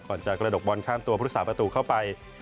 ก่อนจากระดกบอลข้ามตัวพุทธศาสตร์ประตูเข้าไป